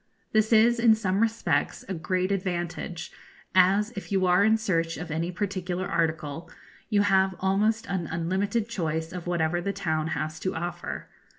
This is, in some respects, a great advantage, as, if you are in search of any particular article, you have almost an unlimited choice of whatever the town has to offer.